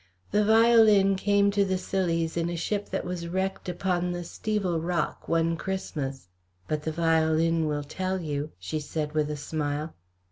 "The violin came to the Scillies in a ship that was wrecked upon the Stevel Rock one Christmas. But the violin will tell you," she said, with a smile.